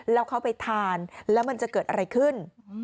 แล้วเขาไปทานแล้วมันจะเกิดอะไรขึ้น